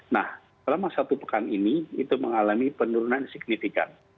nah selama satu pekan ini itu mengalami penurunan signifikan